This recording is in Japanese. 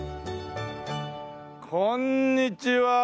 こんにちは。